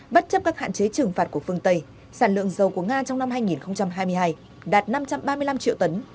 bất chấp các hạn chế trừng phạt của phương tây sản lượng dầu của nga trong năm hai nghìn hai mươi hai đạt năm trăm ba mươi năm triệu tấn